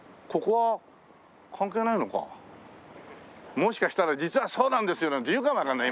もしかしたら「実はそうなんですよ」なんて言うかもわかんない